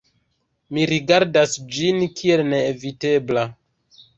Mi rigardas ĝin kiel neevitebla.